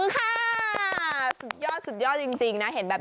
น่าชื่นชมรบมือครับ